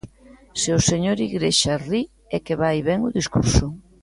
Se o señor Igrexa ri é que vai ben o discurso.